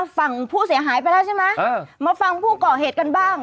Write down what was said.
ฝั่งผู้เสียหายไปแล้วใช่ไหมมาฟังผู้ก่อเหตุกันบ้าง